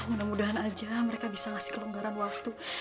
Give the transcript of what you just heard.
mudah mudahan aja mereka bisa ngasih kelonggaran waktu